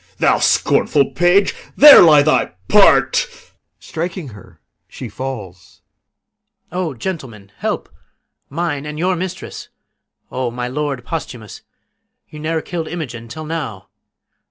Thou scornful page, There lies thy part. [Strikes her. She falls] PISANIO. O gentlemen, help! Mine and your mistress! O, my lord Posthumus! You ne'er kill'd Imogen till now.